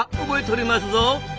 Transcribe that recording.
覚えとりますぞ。